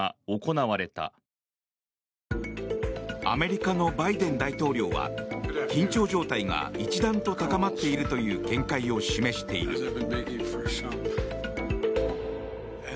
アメリカ、バイデン大統領は緊張状態が一段と高まっているという見解を示している。